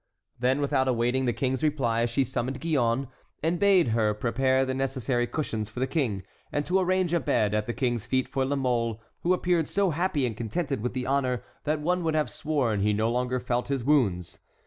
Then without awaiting the king's reply she summoned Gillonne, and bade her prepare the necessary cushions for the king, and to arrange a bed at the king's feet for La Mole, who appeared so happy and contented with the honor that one would have sworn he no longer felt his wounds.